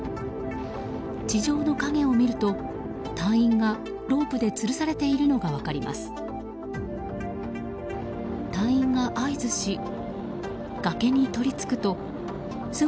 地上の影を見ると隊員がロープでつるされているのが分かります。